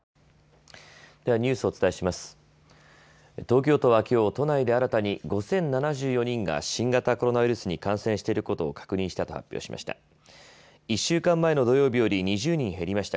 東京都はきょう都内で新たに５０７４人が新型コロナウイルスに感染していることを確認したと発表しました。